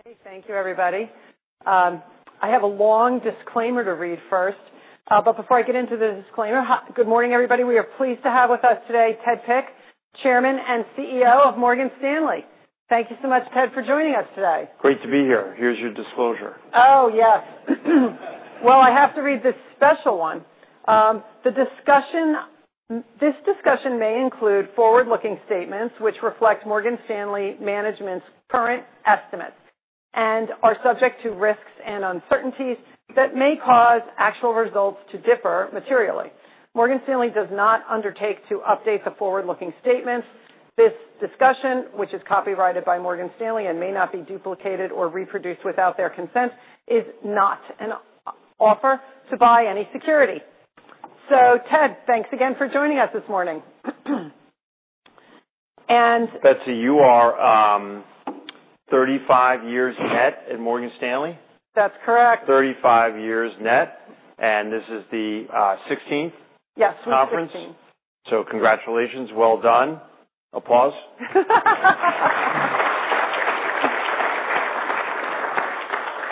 Okay, thank you everybody. I have a long disclaimer to read first, but before I get into the disclaimer, good morning everybody. We are pleased to have with us today Ted Pick, Chairman and CEO of Morgan Stanley. Thank you so much, Ted, for joining us today. Great to be here. Here's your disclosure. Oh, yes. I have to read this special one. This discussion may include forward-looking statements which reflect Morgan Stanley management's current estimates and are subject to risks and uncertainties that may cause actual results to differ materially. Morgan Stanley does not undertake to update the forward-looking statements. This discussion, which is copyrighted by Morgan Stanley and may not be duplicated or reproduced without their consent, is not an offer to buy any security. Ted, thanks again for joining us this morning. Betsy, you are 35 years net at Morgan Stanley? That's correct. 35 years net, and this is the 16th? Yes, we're 16. Conference? Congratulations. Well done. Applause.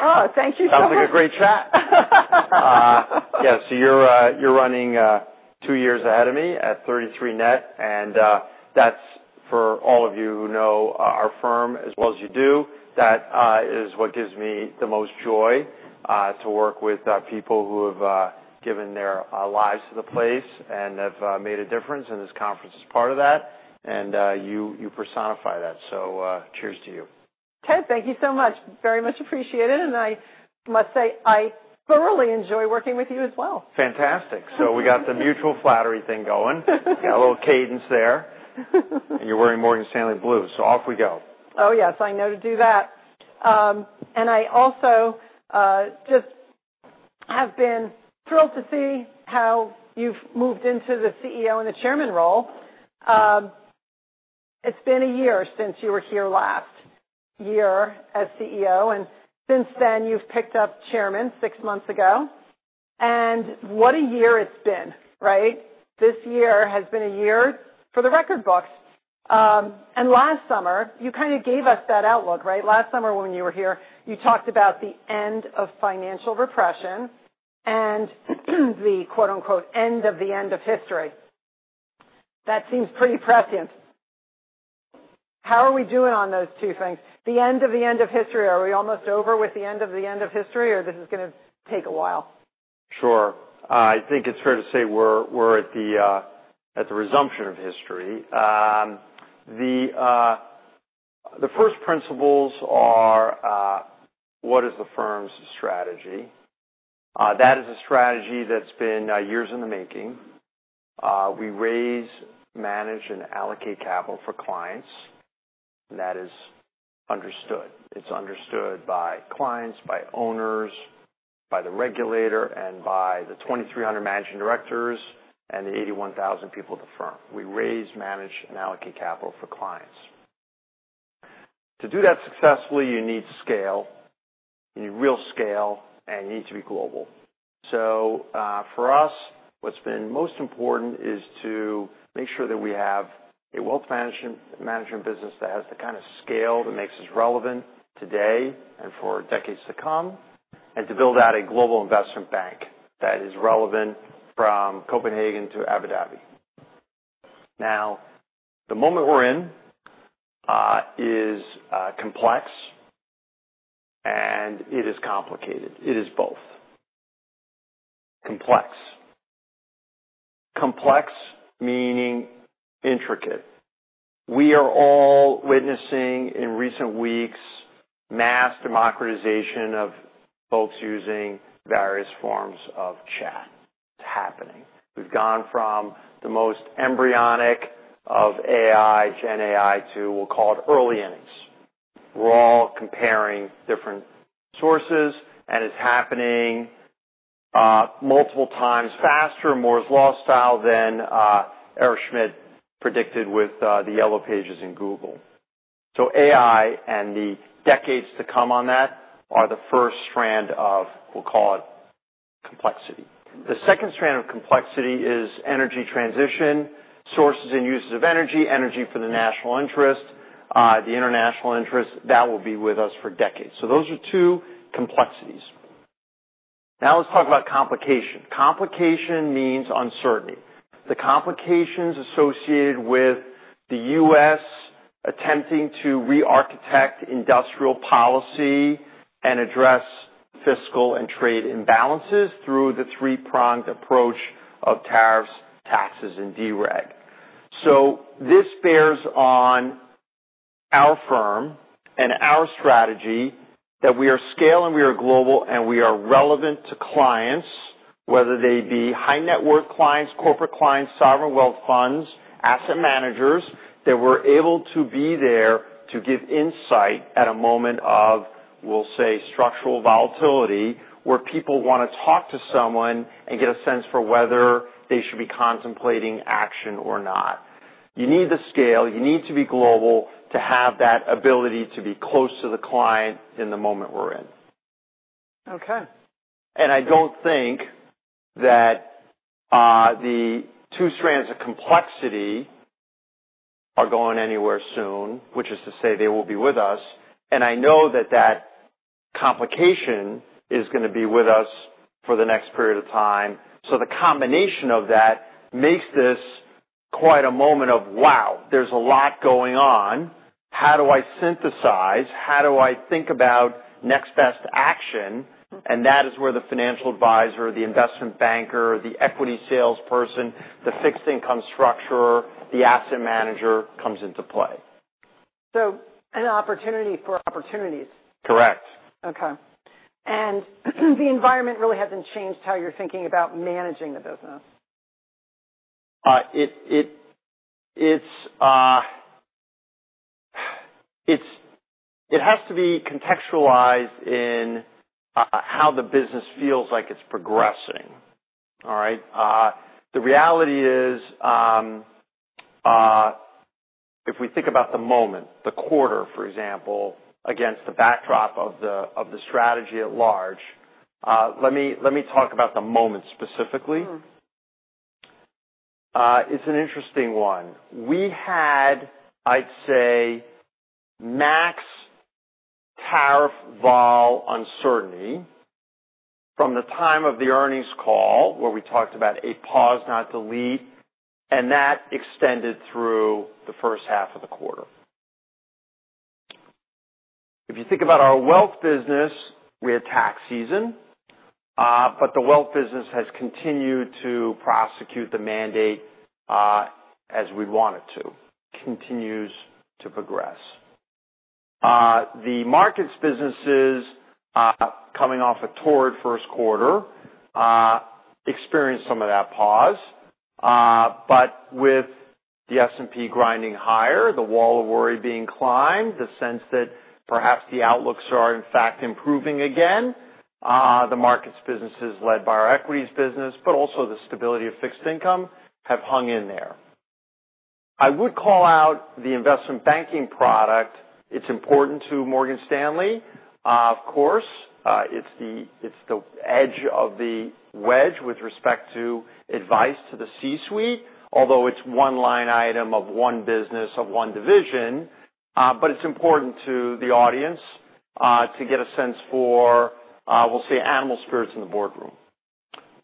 Oh, thank you so much. Sounds like a great chat. Yeah, so you're running two years ahead of me at 33 net, and that's for all of you who know our firm as well as you do. That is what gives me the most joy, to work with people who have given their lives to the place and have made a difference, and this conference is part of that, and you personify that. Cheers to you. Ted, thank you so much. Very much appreciated, and I must say I thoroughly enjoy working with you as well. Fantastic. We got the mutual flattery thing going. Got a little cadence there. And you're wearing Morgan Stanley blue, so off we go. Oh, yes, I know to do that. I also just have been thrilled to see how you've moved into the CEO and the Chairman role. It's been a year since you were here last year as CEO, and since then you've picked up Chairman six months ago, and what a year it's been, right? This year has been a year for the record books. Last summer you kinda gave us that outlook, right? Last summer when you were here, you talked about the end of financial repression and the, quote-unquote, "end of the end of history." That seems pretty prescient. How are we doing on those two things? The end of the end of history, are we almost over with the end of the end of history, or this is gonna take a while? Sure. I think it's fair to say we're at the resumption of history. The first principles are, what is the firm's strategy? That is a strategy that's been years in the making. We raise, manage, and allocate capital for clients, and that is understood. It's understood by clients, by owners, by the regulator, and by the 2,300 managing directors and the 81,000 people at the firm. We raise, manage, and allocate capital for clients. To do that successfully, you need scale, you need real scale, and you need to be global. For us, what's been most important is to make sure that we have a Wealth Management business that has the kind of scale that makes us relevant today and for decades to come, and to build out a global investment bank that is relevant from Copenhagen to Abu Dhabi. Now, the moment we're in is complex, and it is complicated. It is both. Complex. Complex meaning intricate. We are all witnessing in recent weeks mass democratization of folks using various forms of chat. It's happening. We've gone from the most embryonic of AI, Gen AI, to, we'll call it, early innings. We're all comparing different sources, and it's happening multiple times faster, Moore's Law style, than Eric Schmidt predicted with the Yellow Pages in Google. So AI and the decades to come on that are the first strand of, we'll call it, complexity. The second strand of complexity is energy transition, sources and uses of energy, energy for the national interest, the international interest. That will be with us for decades. Those are two complexities. Now let's talk about complication. Complication means uncertainty. The complications associated with the U.S. attempting to re-architect industrial policy and address fiscal and trade imbalances through the three-pronged approach of tariffs, taxes, and dereg. So this bears on our firm and our strategy that we are scale, and we are global, and we are relevant to clients, whether they be high-net-worth clients, corporate clients, sovereign wealth funds, asset managers, that we're able to be there to give insight at a moment of, we'll say, structural volatility where people wanna talk to someone and get a sense for whether they should be contemplating action or not. You need the scale. You need to be global to have that ability to be close to the client in the moment we're in. Okay. And I do not think that the two strands of complexity are going anywhere soon, which is to say they will be with us, and I know that that complication is gonna be with us for the next period of time. The combination of that makes this quite a moment of, "Wow, there's a lot going on. How do I synthesize? How do I think about next best action?" That is where the financial advisor, the investment banker, the equity salesperson, the fixed income structure, the asset manager comes into play. An opportunity for opportunities. Correct. Okay. The environment really hasn't changed how you're thinking about managing the business. It's, it's, it has to be contextualized in how the business feels like it's progressing, all right? The reality is, if we think about the moment, the quarter, for example, against the backdrop of the strategy at large, let me talk about the moment specifically. Mm-hmm. It's an interesting one. We had, I'd say, max tariff vol uncertainty from the time of the earnings call where we talked about a pause, not delete, and that extended through the first half of the quarter. If you think about our wealth business, we had tax season, but the wealth business has continued to prosecute the mandate, as we want it to. Continues to progress. The markets businesses, coming off a torrid first quarter, experienced some of that pause, but with the S&P grinding higher, the wall of worry being climbed, the sense that perhaps the outlooks are, in fact, improving again, the markets businesses led by our equities business, but also the stability of fixed income have hung in there. I would call out the investment banking product. It's important to Morgan Stanley, of course. It's the edge of the wedge with respect to advice to the C-suite, although it's one line item of one business of one division, but it's important to the audience to get a sense for, we'll say, animal spirits in the boardroom.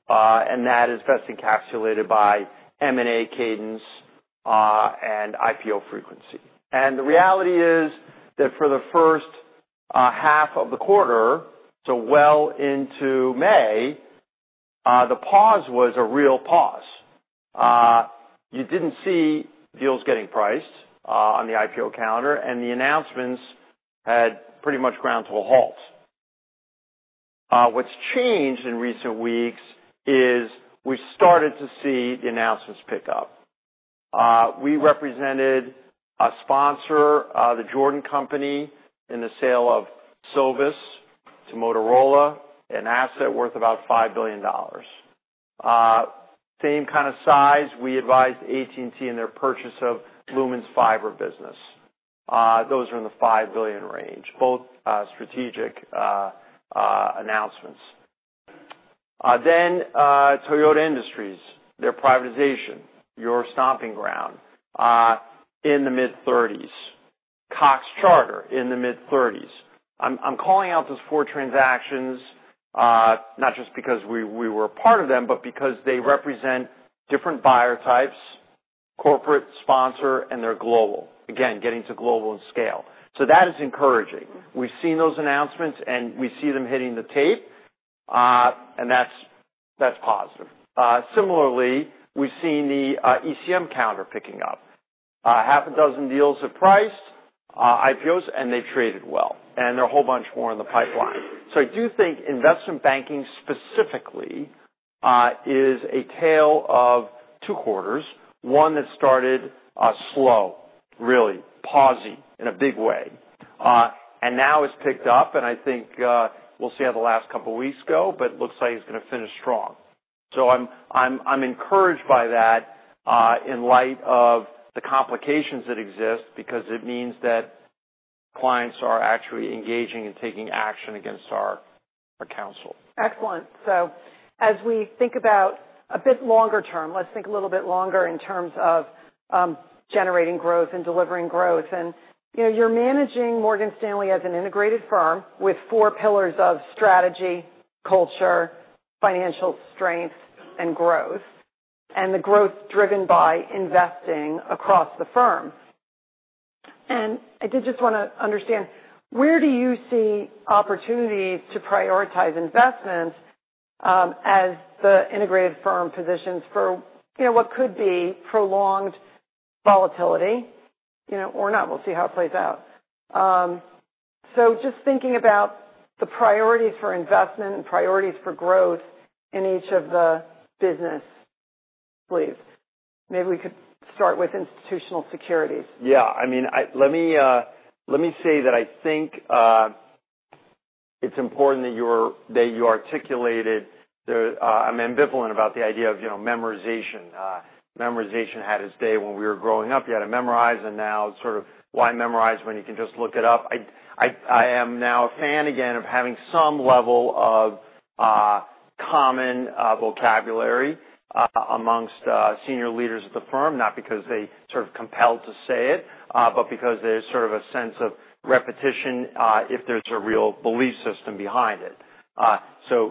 That is best encapsulated by M&A cadence and IPO frequency. The reality is that for the first half of the quarter, so well into May, the pause was a real pause. You didn't see deals getting priced on the IPO calendar, and the announcements had pretty much ground to a halt. What's changed in recent weeks is we've started to see the announcements pick up. We represented a sponsor, the Jordan Company, in the sale of Silvus to Motorola, an asset worth about $5 billion. Same kind of size. We advised AT&T in their purchase of Lumen's fiber business. Those are in the $5 billion range, both, strategic, announcements. Then, Toyota Industries, their privatization, your stomping ground, in the mid-30s. Cox Charter in the mid-30s. I'm calling out those four transactions, not just because we were a part of them, but because they represent different buyer types, corporate, sponsor, and they're global. Again, getting to global and scale. That is encouraging. We've seen those announcements, and we see them hitting the tape, and that's positive. Similarly, we've seen the ECM calendar picking up. Half a dozen deals are priced, IPOs, and they've traded well, and there are a whole bunch more in the pipeline. I do think investment banking specifically is a tale of two quarters, one that started slow, really pausing in a big way, and now has picked up, and I think we'll see how the last couple of weeks go, but it looks like it's gonna finish strong. I'm encouraged by that, in light of the complications that exist because it means that clients are actually engaging and taking action against our counsel. Excellent. As we think about a bit longer term, let's think a little bit longer in terms of generating growth and delivering growth. And, you know, you're managing Morgan Stanley as an integrated firm with four pillars of strategy, culture, financial strength, and growth, and the growth driven by investing across the firm. I did just wanna understand, where do you see opportunities to prioritize investment, as the integrated firm positions for, you know, what could be prolonged volatility, you know, or not? We'll see how it plays out. Just thinking about the priorities for investment and priorities for growth in each of the business leaves, maybe we could start with Institutional Securities. Yeah. I mean, let me say that I think it's important that you articulated the, I'm ambivalent about the idea of, you know, memorization. Memorization had its day when we were growing up. You had to memorize, and now it's sort of, why memorize when you can just look it up? I am now a fan again of having some level of common vocabulary amongst senior leaders at the firm, not because they're sort of compelled to say it, but because there's sort of a sense of repetition if there's a real belief system behind it. To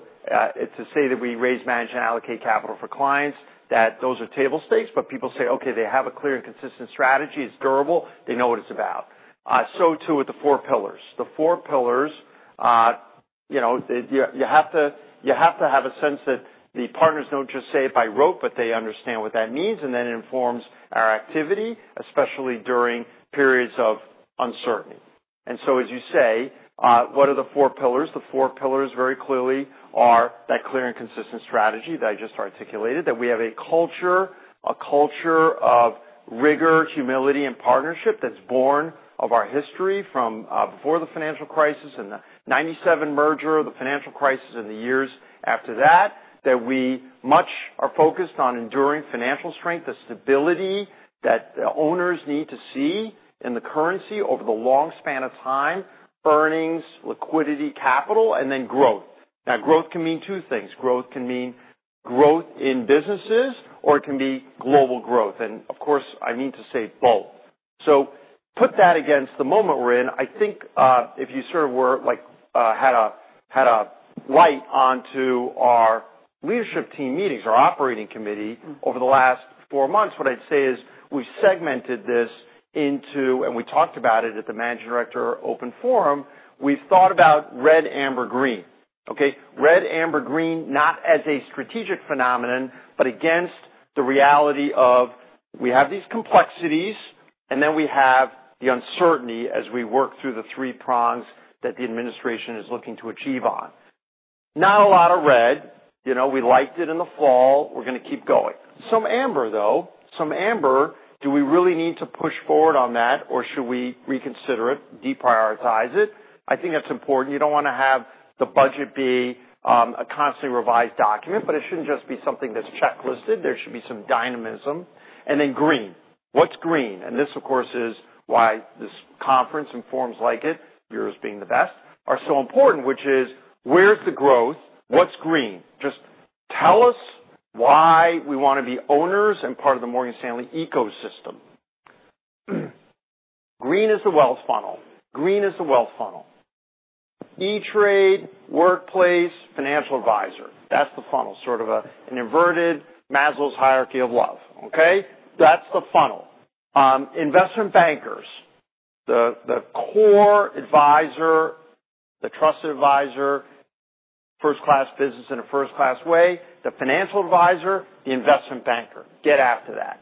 say that we raise, manage, and allocate capital for clients, those are table stakes, but people say, "Okay, they have a clear and consistent strategy. It's durable. They know what it's about." So too with the four pillars. The four pillars, you know, you have to have a sense that the partners do not just say it by rote, but they understand what that means, and then it informs our activity, especially during periods of uncertainty. As you say, what are the four pillars? The four pillars very clearly are that clear and consistent strategy that I just articulated, that we have a culture, a culture of rigor, humility, and partnership that is born of our history from before the financial crisis and the 1997 merger, the financial crisis and the years after that, that we much are focused on enduring financial strength, the stability that the owners need to see in the currency over the long span of time, earnings, liquidity, capital, and then growth. Now, growth can mean two things. Growth can mean growth in businesses, or it can be global growth. Of course, I mean to say both. So put that against the moment we're in. I think, if you sort of were like, had a light onto our leadership team meetings, our operating committee over the last four months, what I'd say is we've segmented this into, and we talked about it at the Managing Director Open Forum. We've thought about red, amber, green, okay? Red, amber, green, not as a strategic phenomenon, but against the reality of we have these complexities, and then we have the uncertainty as we work through the three prongs that the administration is looking to achieve on. Not a lot of red. You know, we liked it in the fall. We're gonna keep going. Some amber, though. Some amber, do we really need to push forward on that, or should we reconsider it, deprioritize it? I think that's important. You don't wanna have the budget be a constantly revised document, but it shouldn't just be something that's checklisted. There should be some dynamism. And then green, what's green? This, of course, is why this conference and forums like it, yours being the best, are so important, which is where's the growth? What's green? Just tell us why we wanna be owners and part of the Morgan Stanley ecosystem. Green is the wealth funnel. Green is the wealth funnel. E*TRADE, workplace, financial advisor. That's the funnel, sort of an inverted Maslow's hierarchy of love, okay? That's the funnel. Investment bankers, the core advisor, the trusted advisor, first-class business in a first-class way, the financial advisor, the investment banker. Get after that.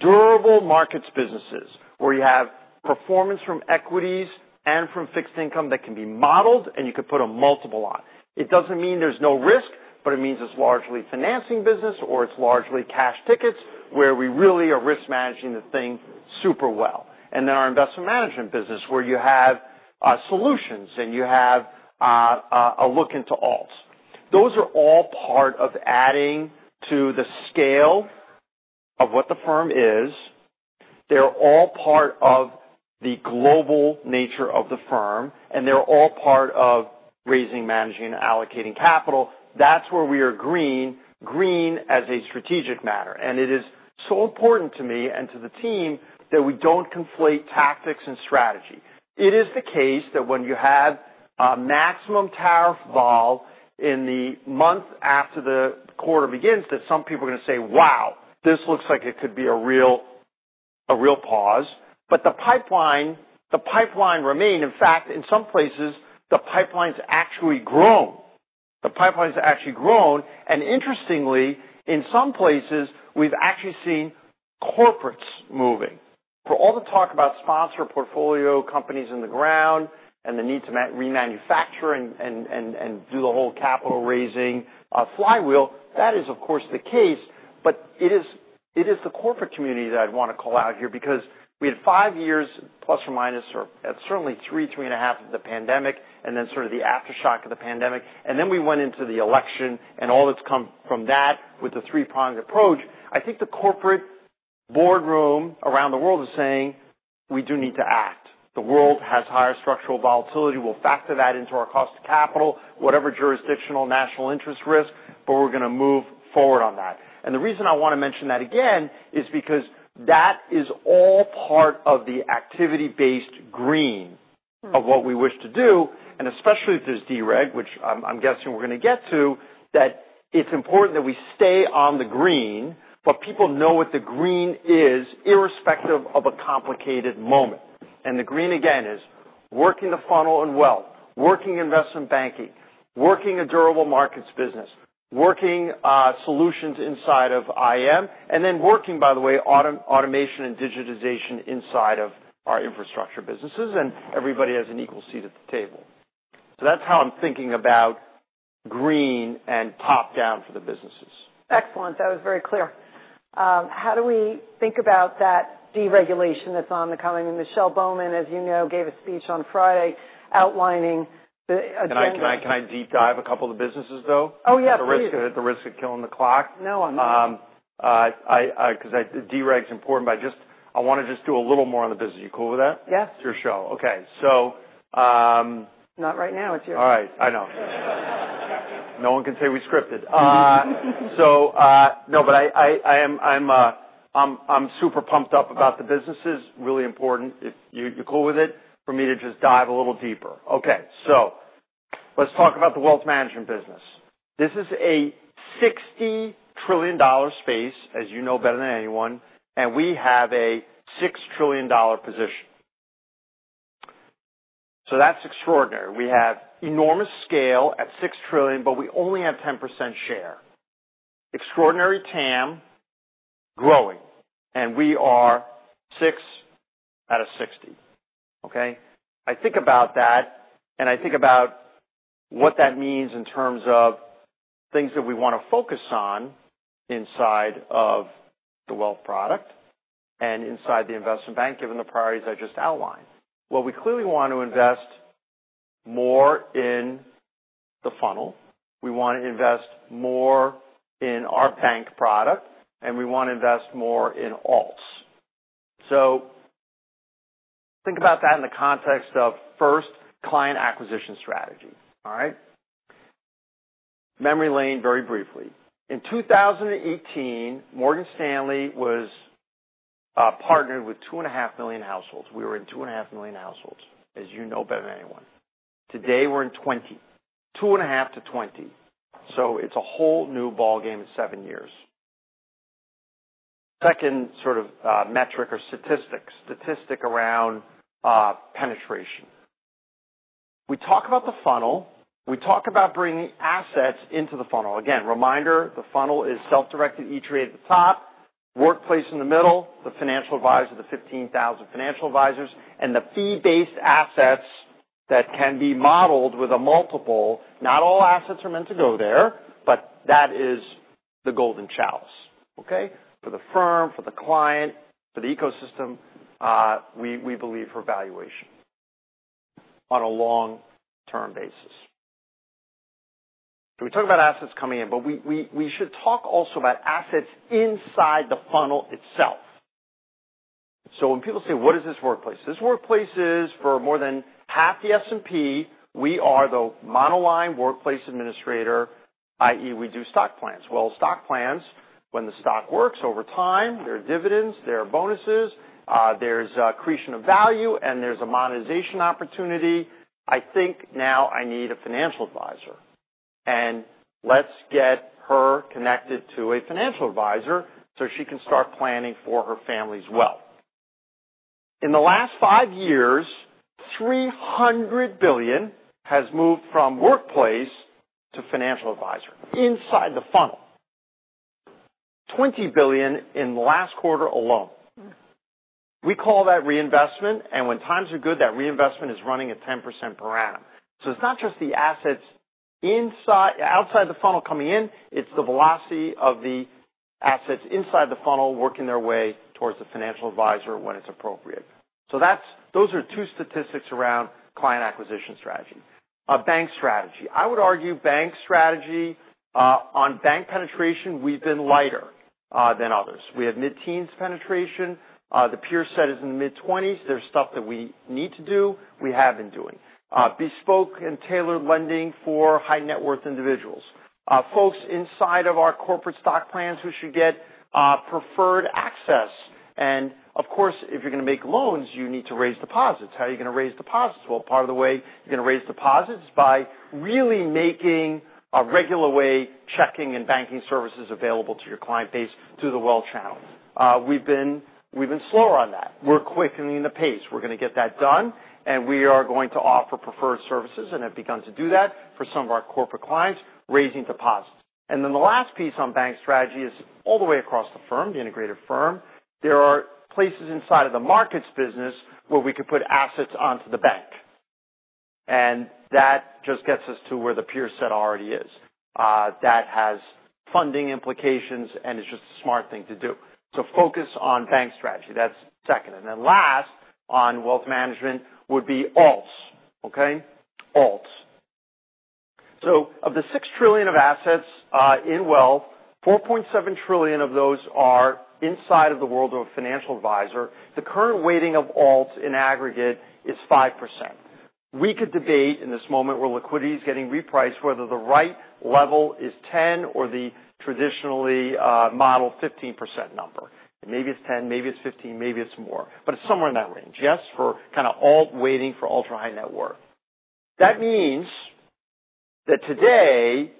Durable markets businesses where you have performance from equities and from fixed income that can be modeled, and you could put a multiple on. It doesn't mean there's no risk, but it means it's largely financing business or it's largely cash tickets where we really are risk managing the thing super well. And then our investment management business where you have, solutions and you have, a look into alts. Those are all part of adding to the scale of what the firm is. They're all part of the global nature of the firm, and they're all part of raising, managing, and allocating capital. That's where we are green, green as a strategic matter. It is so important to me and to the team that we don't conflate tactics and strategy. It is the case that when you have, maximum tariff vol in the month after the quarter begins, that some people are gonna say, "Wow, this looks like it could be a real, a real pause." But the pipeline, the pipeline remain. In fact, in some places, the pipeline's actually grown. Interestingly, in some places, we've actually seen corporates moving. For all the talk about sponsor portfolio companies in the ground and the need to remanufacture and do the whole capital raising flywheel, that is, of course, the case, but it is the corporate community that I'd want to call out here because we had five years plus or minus, or certainly three, three and a half of the pandemic and then sort of the aftershock of the pandemic, and then we went into the election and all that's come from that with the three-pronged approach. I think the corporate boardroom around the world is saying, we do need to act. The world has higher structural volatility. We'll factor that into our cost of capital, whatever jurisdictional national interest risk, but we're gonna move forward on that. The reason I wanna mention that again is because that is all part of the activity-based green. Mm-hmm. Of what we wish to do, and especially if there's dereg, which I'm, I'm guessing we're gonna get to, that it's important that we stay on the green, but people know what the green is irrespective of a complicated moment. The green, again, is working the funnel and, working investment banking, working a durable markets business, working solutions inside of IM, and then working, by the way, auto-automation and digitization inside of our infrastructure businesses, and everybody has an equal seat at the table. That's how I'm thinking about green and top-down for the businesses. Excellent. That was very clear. How do we think about that deregulation that's on the coming? And Michelle Bowman, as you know, gave a speech on Friday outlining the, t. Can I deep dive a couple of the businesses, though? Oh, yes. The risk, the risk of killing the clock? No, I'm not. I, 'cause dereg's important, but I just, I wanna just do a little more on the business. You cool with that? Yes. It's your show. Okay. Not right now. It's yours. All right. I know. No one can say we scripted. I'm super pumped up about the businesses. Really important. If you're cool with it for me to just dive a little deeper. Okay. Let's talk about the wealth management business. This is a $60 trillion space, as you know better than anyone, and we have a $6 trillion position. That's extraordinary. We have enormous scale at $6 trillion, but we only have 10% share. Extraordinary TAM growing, and we are $6 trillion out of $60 trillion, okay? I think about that, and I think about what that means in terms of things that we wanna focus on inside of the wealth product and inside the investment bank given the priorities I just outlined. We clearly wanna invest more in the funnel. We wanna invest more in our bank product, and we wanna invest more in alts. Think about that in the context of first client acquisition strategy, all right? Memory lane very briefly. In 2018, Morgan Stanley was partnered with 2.5 million households. We were in 2.5 million households, as you know better than anyone. Today, we're in 20 million, 2.5 million-20 million. It is a whole new ballgame in seven years. Second sort of metric or statistic, statistic around penetration. We talk about the funnel. We talk about bringing assets into the funnel. Again, reminder, the funnel is self-directed each rate at the top, workplace in the middle, the financial advisor, the 15,000 financial advisors, and the fee-based assets that can be modeled with a multiple. Not all assets are meant to go there, but that is the golden chalice, okay, for the firm, for the client, for the ecosystem, we believe for valuation on a long-term basis. We talk about assets coming in, but we should talk also about assets inside the funnel itself. When people say, "What is this workplace?" This workplace is for more than half the S&P. We are the monoline workplace administrator, i.e., we do stock plans. Stock plans, when the stock works over time, there are dividends, there are bonuses, there is accretion of value, and there is a monetization opportunity. I think now I need a financial advisor, and let's get her connected to a financial advisor so she can start planning for her family's wealth. In the last five years, $300 billion has moved from workplace to financial advisor inside the funnel, $20 billion in the last quarter alone. We call that reinvestment, and when times are good, that reinvestment is running at 10% per annum. It is not just the assets inside, outside the funnel coming in. It is the velocity of the assets inside the funnel working their way towards the financial advisor when it is appropriate. Those are two statistics around client acquisition strategy. Bank strategy. I would argue bank strategy, on bank penetration, we have been lighter than others. We have mid-teens penetration. The peer set is in the mid-20s. There is stuff that we need to do. We have been doing bespoke and tailored lending for high-net-worth individuals, folks inside of our corporate stock plans who should get preferred access. If you're gonna make loans, you need to raise deposits. How are you gonna raise deposits? Part of the way you're gonna raise deposits is by really making a regular way checking and banking services available to your client base through the wealth channel. We've been slower on that. We're quickening the pace. We're gonna get that done, and we are going to offer preferred services and have begun to do that for some of our corporate clients, raising deposits. The last piece on bank strategy is all the way across the firm, the integrated firm. There are places inside of the markets business where we could put assets onto the bank, and that just gets us to where the peer set already is. That has funding implications, and it's just a smart thing to do. Focus on bank strategy. That's second. Last on wealth management would be alts, okay? Alts. Of the $6 trillion of assets in wealth, $4.7 trillion of those are inside of the world of a financial advisor. The current weighting of alts in aggregate is 5%. We could debate in this moment where liquidity is getting repriced, whether the right level is 10% or the traditionally modeled 15% number. Maybe it's 10%, maybe it's 15%, maybe it's more, but it's somewhere in that range, yes, for kinda alt weighting for ultra-high net worth. That means that today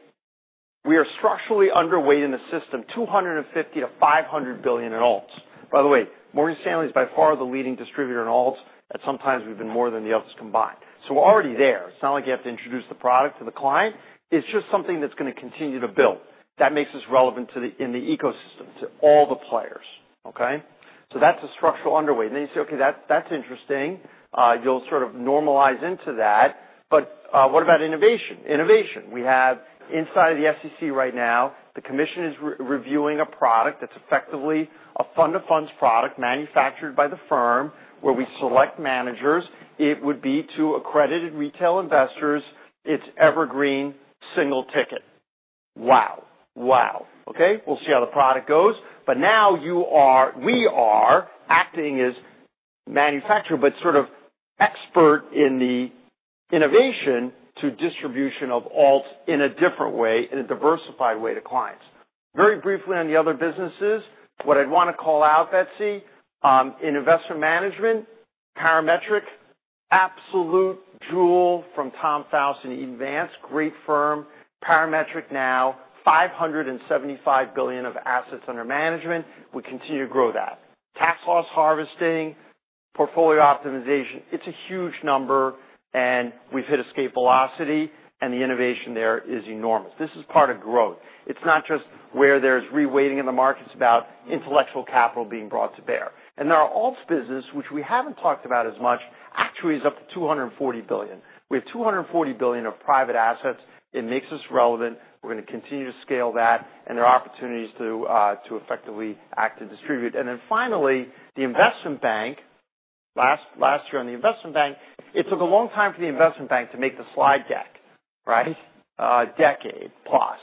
we are structurally underweight in the system, $250 billion-$500 billion in alts. By the way, Morgan Stanley is by far the leading distributor in alts, and sometimes we've been more than the others combined. We're already there. It's not like you have to introduce the product to the client. It's just something that's gonna continue to build. That makes us relevant in the ecosystem to all the players, okay? That's a structural underweight. You say, "Okay, that's interesting." You'll sort of normalize into that, but what about innovation? Innovation. We have inside of the SEC right now, the commission is re-reviewing a product that's effectively a fund-of-funds product manufactured by the firm where we select managers. It would be to accredited retail investors. It's evergreen, single ticket. Wow, wow. Okay? We'll see how the product goes. Now you are, we are acting as manufacturer but sort of expert in the innovation to distribution of alts in a different way, in a diversified way to clients. Very briefly on the other businesses, what I'd wanna call out, Betsy, in Investment Management, Parametric, absolute jewel from Tom Faust and Eaton Vance, great firm, Parametric now, $575 billion of assets under management. We continue to grow that. Tax loss harvesting, portfolio optimization, it's a huge number, and we've hit escape velocity, and the innovation there is enormous. This is part of growth. It's not just where there's reweighting in the markets. It's about intellectual capital being brought to bear. There are alts business, which we haven't talked about as much, actually is up to $240 billion. We have $240 billion of private assets. It makes us relevant. We're gonna continue to scale that, and there are opportunities to, to effectively act and distribute. Finally, the Investment Bank, last year on the Investment Bank, it took a long time for the Investment Bank to make the slide deck, right? Decade plus.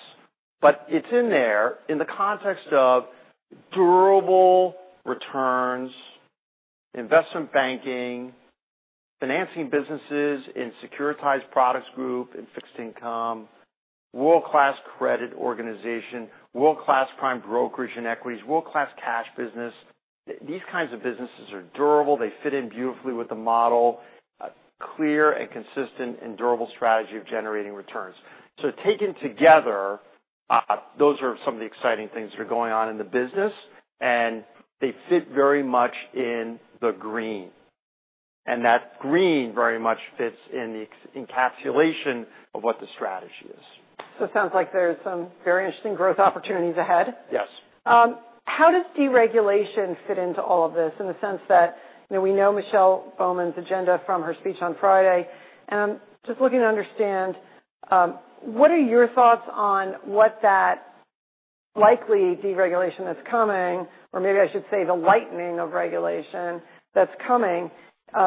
But it is in there in the context of durable returns, investment banking, financing businesses in securitized products group and fixed income, world-class credit organization, world-class prime brokerage and equities, world-class cash business. These kinds of businesses are durable. They fit in beautifully with the model, clear and consistent and durable strategy of generating returns. So taken together, those are some of the exciting things that are going on in the business, and they fit very much in the green, and that green very much fits in the encapsulation of what the strategy is. So it sounds like there's some very interesting growth opportunities ahead. Yes. How does deregulation fit into all of this in the sense that, you know, we know Michelle Bowman's agenda from her speech on Friday, and I'm just looking to understand, what are your thoughts on what that likely deregulation that's coming, or maybe I should say the lightening of regulation that's coming,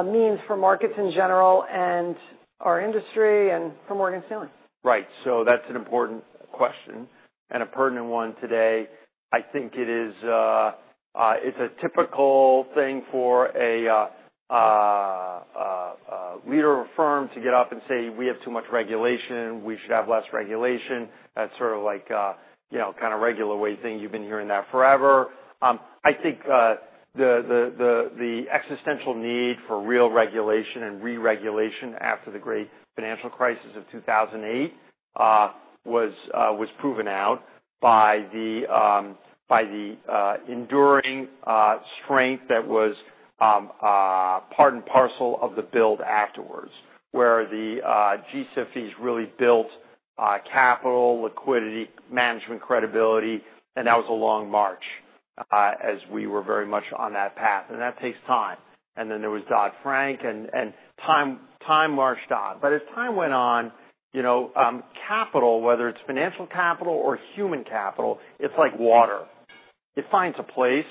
means for markets in general and our industry and for Morgan Stanley? Right. So that's an important question and a pertinent one today. I think it is, it's a typical thing for a leader of a firm to get up and say, "We have too much regulation. We should have less regulation." That's sort of like, you know, kinda regular way thing. You've been hearing that forever. I think, the existential need for real regulation and re-regulation after the great financial crisis of 2008 was proven out by the enduring strength that was part and parcel of the build afterwards, where the G50s really built capital, liquidity, management credibility, and that was a long march, as we were very much on that path. That takes time. There was Dodd-Frank, and time marched on. As time went on, you know, capital, whether it's financial capital or human capital, it's like water. It finds a place.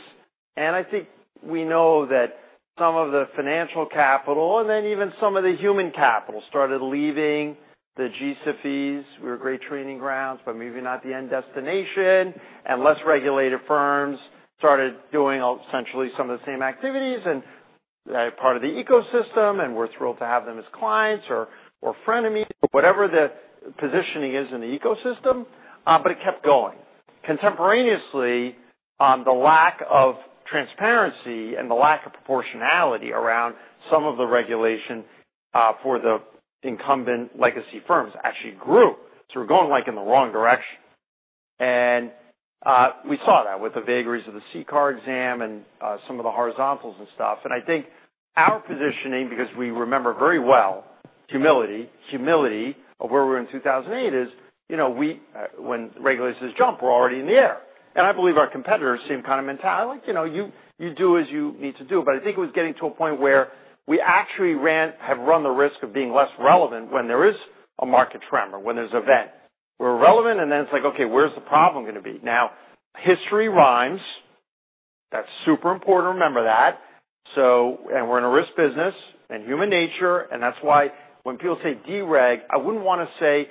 I think we know that some of the financial capital and then even some of the human capital started leaving the G-SIFIs. We were great training grounds, but maybe not the end destination. Less regulated firms started doing essentially some of the same activities and, part of the ecosystem, and we're thrilled to have them as clients or, or friend to me, whatever the positioning is in the ecosystem. It kept going. Contemporaneously, the lack of transparency and the lack of proportionality around some of the regulation for the incumbent legacy firms actually grew. We're going like in the wrong direction. We saw that with the vagaries of the CCAR exam and some of the horizontals and stuff. And I think our positioning, because we remember very well humility, humility of where we were in 2008, is, you know, we, when regulators jump, we're already in the air. I believe our competitors same kind of mentality, like, you know, you do as you need to do. I think it was getting to a point where we actually have run the risk of being less relevant when there is a market tremor, when there's event. We're relevant, and then it's like, okay, where's the problem gonna be? Now, history rhymes. That's super important to remember that. We are in a risk business and human nature, and that's why when people say dereg, I wouldn't wanna say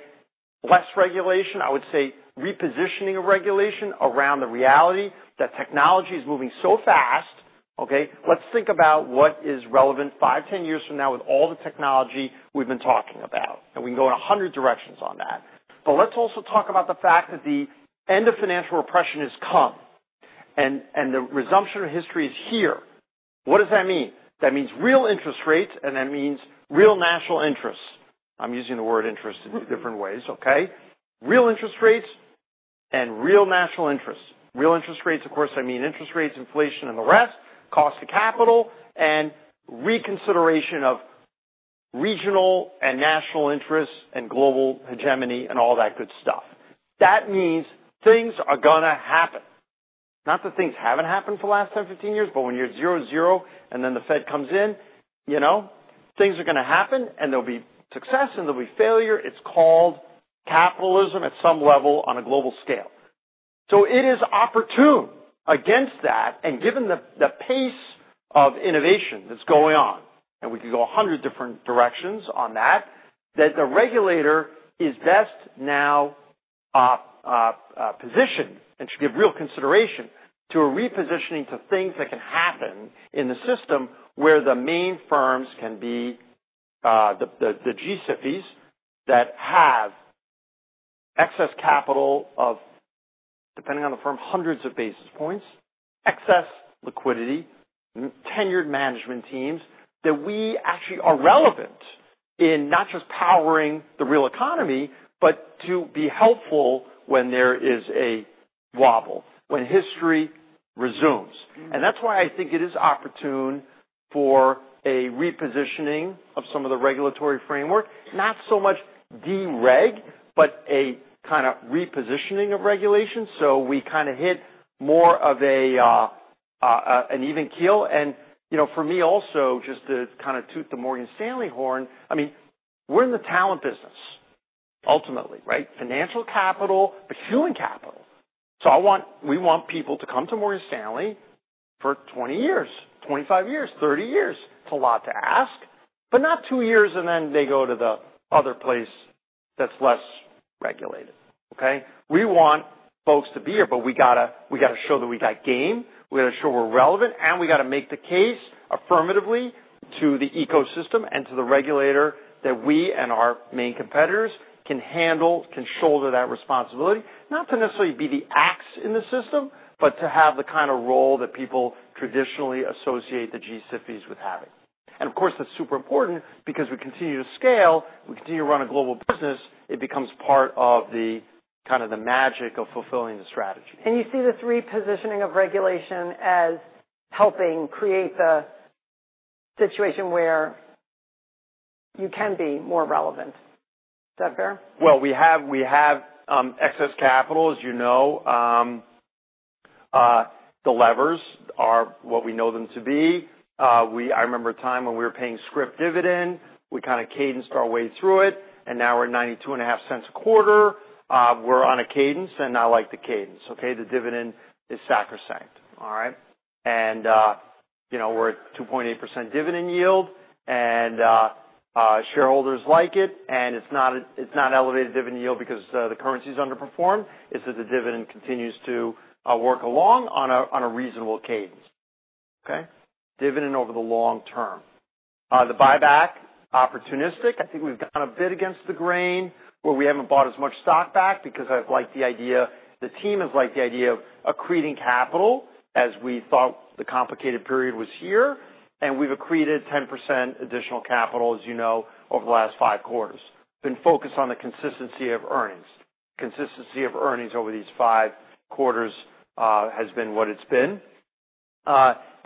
less regulation. I would say repositioning of regulation around the reality that technology is moving so fast, okay? Let's think about what is relevant 5, 10 years from now with all the technology we've been talking about, and we can go in a hundred directions on that. Let's also talk about the fact that the end of financial repression has come, and the resumption of history is here. What does that mean? That means real interest rates, and that means real national interests. I'm using the word interest in different ways, okay? Real interest rates and real national interests. Real interest rates, of course, I mean interest rates, inflation, and the rest, cost of capital, and reconsideration of regional and national interests and global hegemony and all that good stuff. That means things are gonna happen. Not that things haven't happened for the last 10, 15 years, but when you're at zero, zero, and then the Fed comes in, you know, things are gonna happen, and there'll be success, and there'll be failure. It's called capitalism at some level on a global scale. It is opportune against that, and given the pace of innovation that's going on, and we could go a hundred different directions on that, that the regulator is best now positioned and should give real consideration to a repositioning to things that can happen in the system where the main firms can be, the G-SIFIs that have excess capital of, depending on the firm, hundreds of basis points, excess liquidity, tenured management teams, that we actually are relevant in not just powering the real economy, but to be helpful when there is a wobble, when history resumes. That is why I think it is opportune for a repositioning of some of the regulatory framework, not so much dereg, but a kinda repositioning of regulation so we kinda hit more of an even keel. You know, for me also, just to kinda toot the Morgan Stanley horn, I mean, we're in the talent business ultimately, right? Financial capital, pursuing capital. I want, we want people to come to Morgan Stanley for 20 years, 25 years, 30 years. It's a lot to ask, but not two years and then they go to the other place that's less regulated, okay? We want folks to be here, but we gotta show that we got game. We gotta show we're relevant, and we gotta make the case affirmatively to the ecosystem and to the regulator that we and our main competitors can handle, can shoulder that responsibility, not to necessarily be the axe in the system, but to have the kinda role that people traditionally associate the G-SIFIs with having. Of course, that's super important because we continue to scale. We continue to run a global business. It becomes part of the kinda the magic of fulfilling the strategy. And you see the repositioning of regulation as helping create the situation where you can be more relevant. Is that fair? We have excess capital, as you know. The levers are what we know them to be. I remember a time when we were paying script dividend. We kinda cadenced our way through it, and now we're $0.925 a quarter. We're on a cadence, and I like the cadence, okay? The dividend is sacrosanct. All right? And, you know, we're at 2.8% dividend yield, and shareholders like it, and it's not an elevated dividend yield because the currency's underperformed. It's that the dividend continues to work along on a reasonable cadence, okay? Dividend over the long term. The buyback, opportunistic. I think we've gone a bit against the grain where we haven't bought as much stock back because I've liked the idea, the team has liked the idea of accreting capital as we thought the complicated period was here, and we've accreted 10% additional capital, as you know, over the last five quarters. Been focused on the consistency of earnings. Consistency of earnings over these five quarters has been what it's been.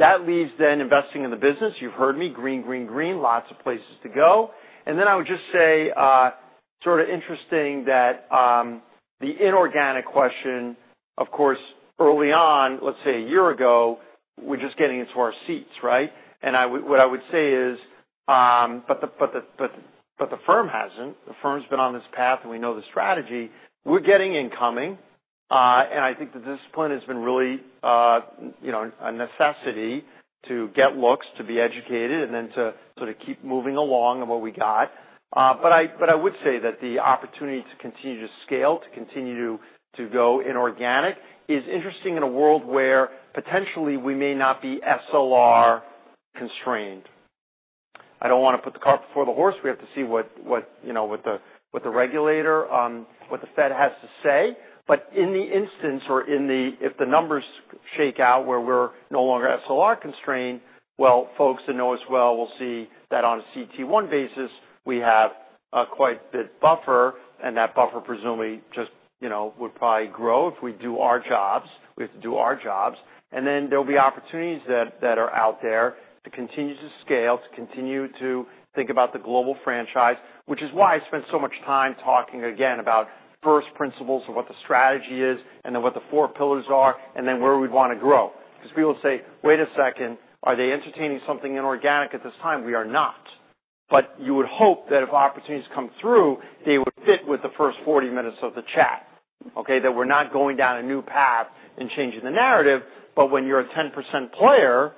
That leads then investing in the business. You've heard me, green, green, green, lots of places to go. I would just say, sort of interesting that the inorganic question, of course, early on, let's say a year ago, we're just getting into our seats, right? What I would say is, the firm hasn't. The firm's been on this path, and we know the strategy. We're getting incoming, and I think the discipline has been really, you know, a necessity to get looks, to be educated, and then to sort of keep moving along on what we got. I would say that the opportunity to continue to scale, to continue to, to go inorganic is interesting in a world where potentially we may not be SLR constrained. I don't wanna put the cart before the horse. We have to see what, what, you know, what the regulator, what the Fed has to say. In the instance or if the numbers shake out where we're no longer SLR constrained, folks that know us well will see that on a CET1 basis, we have quite a bit of buffer, and that buffer presumably just, you know, would probably grow if we do our jobs. We have to do our jobs. There'll be opportunities that are out there to continue to scale, to continue to think about the global franchise, which is why I spent so much time talking again about first principles of what the strategy is and then what the four pillars are and then where we'd wanna grow. Because people say, "Wait a second. Are they entertaining something inorganic at this time?" We are not. You would hope that if opportunities come through, they would fit with the first 40 minutes of the chat, okay, that we're not going down a new path and changing the narrative. When you're a 10% player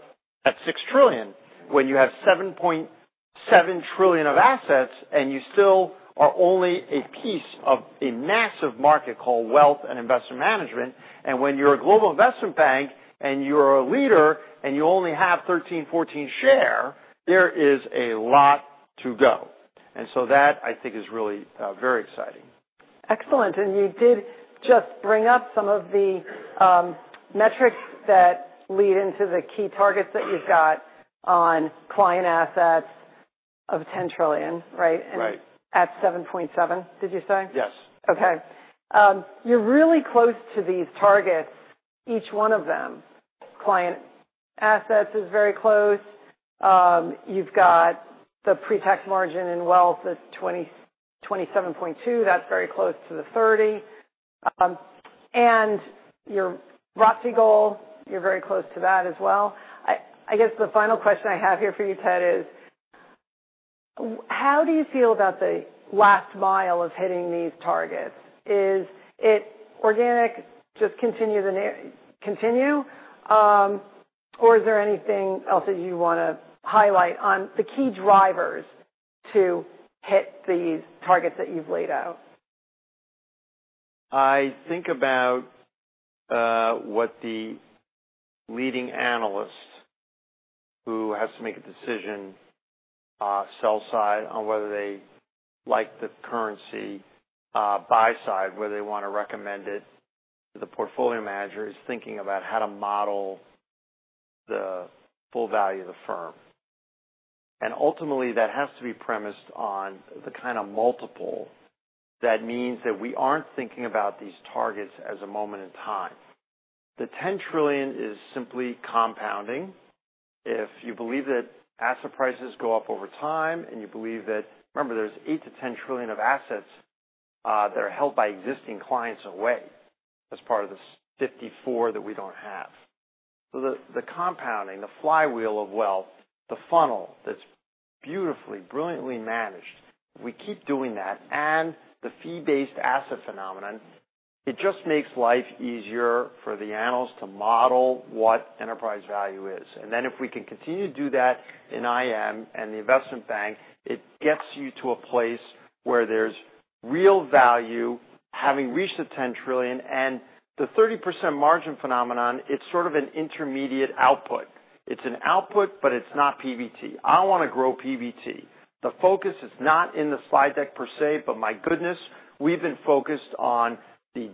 at $6 trillion, when you have $7.7 trillion of assets and you still are only a piece of a massive market called wealth and investment management, and when you're a global investment bank and you're a leader and you only have 13-14% share, there is a lot to go. That, I think, is really very exciting. Excellent. You did just bring up some of the metrics that lead into the key targets that you've got on client assets of $10 trillion, right? Right. At $7.7 million, did you say? Yes. Okay. You're really close to these targets, each one of them. Client assets is very close. You've got the pre-tax margin in wealth at $27.2. That's very close to the $30. And your ROTCE goal, you're very close to that as well. I guess the final question I have here for you, Ted, is, how do you feel about the last mile of hitting these targets? Is it organic? Just continue the, continue, or is there anything else that you wanna highlight on the key drivers to hit these targets that you've laid out? I think about what the leading analyst who has to make a decision, sell side on whether they like the currency, buy side, whether they wanna recommend it to the portfolio manager, is thinking about how to model the full value of the firm. Ultimately, that has to be premised on the kinda multiple. That means that we aren't thinking about these targets as a moment in time. The $10 trillion is simply compounding. If you believe that asset prices go up over time and you believe that, remember, there's $8 trillion-$10 trillion of assets that are held by existing clients away as part of this $54 trillion that we don't have. The compounding, the flywheel of wealth, the funnel that's beautifully, brilliantly managed, if we keep doing that and the fee-based asset phenomenon, it just makes life easier for the analysts to model what enterprise value is. If we can continue to do that in IM and the Investment Bank, it gets you to a place where there's real value having reached the $10 trillion and the 30% margin phenomenon, it's sort of an intermediate output. It's an output, but it's not PBT. I wanna grow PBT. The focus is not in the slide deck per se, but my goodness, we've been focused on the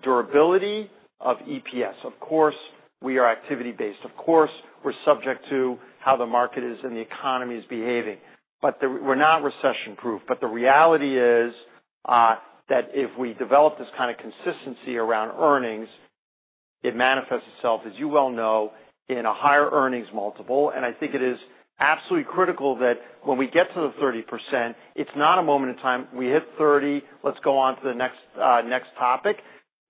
durability of EPS. Of course, we are activity-based. Of course, we're subject to how the market is and the economy is behaving. We're not recession-proof. The reality is, that if we develop this kinda consistency around earnings, it manifests itself, as you well know, in a higher earnings multiple. I think it is absolutely critical that when we get to the 30%, it's not a moment in time. We hit 30. Let's go on to the next, next topic.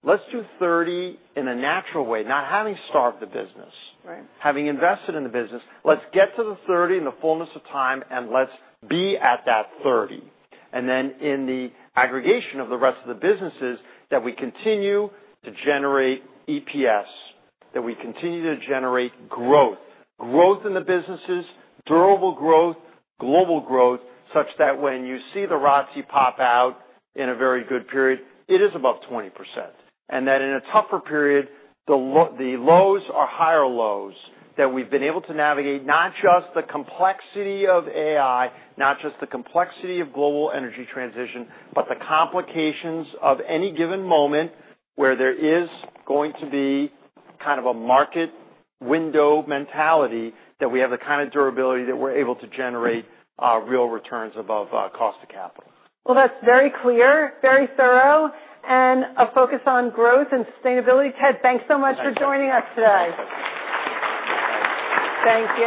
Let's do 30 in a natural way, not having starved the business. Right. Having invested in the business. Let's get to the 30 in the fullness of time, and let's be at that 30. In the aggregation of the rest of the businesses that we continue to generate EPS, that we continue to generate growth, growth in the businesses, durable growth, global growth, such that when you see the ROTCE pop out in a very good period, it is above 20%. In a tougher period, the lows are higher lows that we've been able to navigate, not just the complexity of AI, not just the complexity of global energy transition, but the complications of any given moment where there is going to be kind of a market window mentality that we have the kind of durability that we're able to generate, real returns above cost of capital. That's very clear, very thorough, and a focus on growth and sustainability. Ted, thanks so much for joining us today. Thank you. Thank.